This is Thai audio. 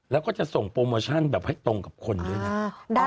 แล้วก็จะส่งโปรโมชั่นแบบให้ตรงกับคนด้วยนะ